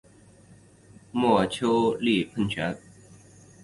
墨丘利喷泉。